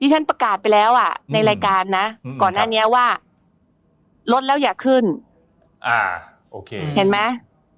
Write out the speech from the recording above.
นี่ฉันประกาศไปแล้วในรายการนะก่อนอันนี้ว่าลดแล้วอย่าขึ้นเห็นไหม